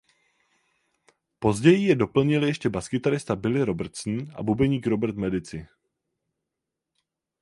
Později je doplnili ještě baskytarista Billy Robertson a bubeník Robert Medici.